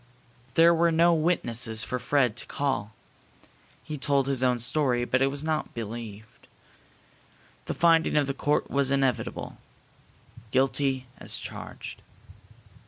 There were no witnesses for Fred to call. He told his own story, but it was not believed. The finding of the court was inevitable: "Guilty as charged!"